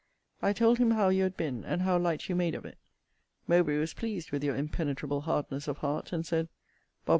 I told him how you had been, and how light you made of it. Mowbray was pleased with your impenetrable hardness of heart, and said, Bob.